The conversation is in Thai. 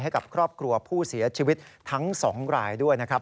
ให้กับครอบครัวผู้เสียชีวิตทั้ง๒รายด้วยนะครับ